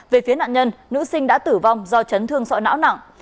về phía nạn nhân nữ sinh đã tử vong do chấn thương sọi não nặng